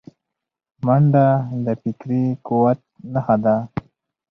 منډه د فکري قوت نښه ده